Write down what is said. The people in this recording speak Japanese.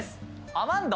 アマンド。